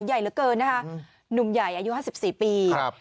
ใหญ่เหลือเกินนะฮะหนุ่มใหญ่อายุหาสิบสี่ปีครับ